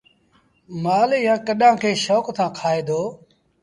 مآل ايٚئآݩ ڪڏآݩ کي شوڪ سآݩ کآئي دو۔